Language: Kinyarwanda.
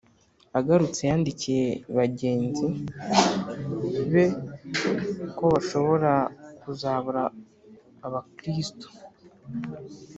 agarutse yandikiye bagenzi be ko bashobora kuzabura abakristu